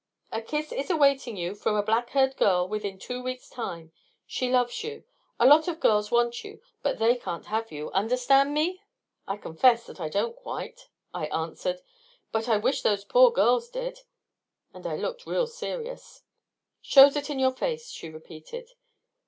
"A kiss is awaiting you from a black haired girl within two weeks' time. She loves you. A lot of girls want you, but they can't have you. Understand me?" "I confess that I don't quite," I answered. "But I wish those poor girls did." And I looked real serious. "Shows it in your face," she repeated.